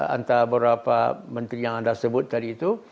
antara beberapa menteri yang anda sebut tadi itu